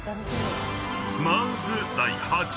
［まず第８位は］